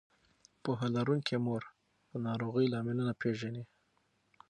پوهه لرونکې مور د ناروغۍ لاملونه پېژني.